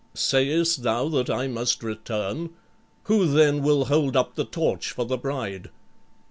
"Sayest thou that I must return? Who then will hold up the torch for the bride?"